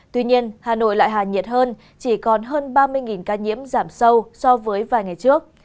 tuy nhiên hà nội lại hà nhiệt hơn chỉ còn hơn ba mươi ca nhiễm giảm sâu so với vài ngày trước